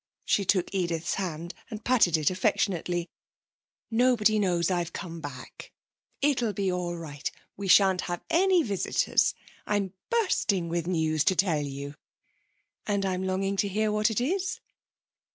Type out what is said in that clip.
She took Edith's hand and patted it affectionately. 'Nobody knows I've come back; it'll be all right. We shan't have any visitors. I'm bursting with news to tell you.' 'And I'm longing to hear what it is.'